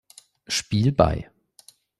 Spiel bei.